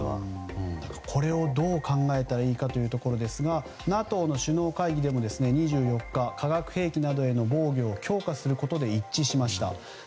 これをどう考えたらいいかというところですがＮＡＴＯの首脳会議でも２４日化学兵器などへの防御を強化することで一致しました。